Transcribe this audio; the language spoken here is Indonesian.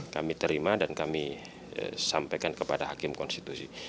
kami terima dan kami sampaikan kepada hakim konstitusi